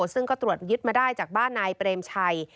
ซึ่งก็ตรวจยึดมาได้จากบ้านนายเปรมชัย